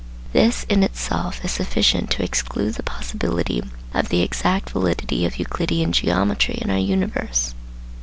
This in itself is sufficient to exclude the possibility of the exact validity of Euclidean geometry in our universe.